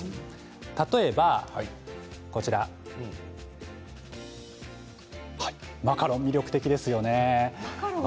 例えばマカロン魅力的ですよね。